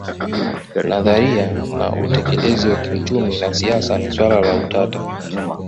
Nadharia na utekelezi wa kiuchumi na siasa ni swala la utata